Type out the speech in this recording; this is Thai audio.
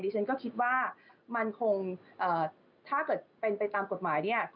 ฉันก็คิดว่ามันคงถ้าเกิดเป็นไปตามกฎหมายเนี่ย